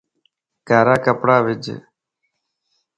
ڪارا ڪپڙا وِج